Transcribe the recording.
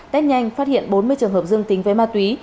test nhanh phát hiện bốn mươi trường hợp dương tính với ma túy